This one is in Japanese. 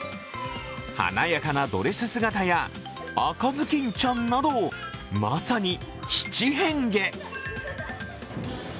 華やかなドレス姿や、赤ずきんちゃんなど、まさに七変化。